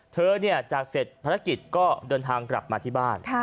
จากเสร็จภารกิจก็เดินทางกลับมาที่บ้าน